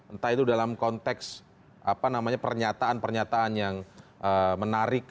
entah itu dalam konteks pernyataan pernyataan yang menarik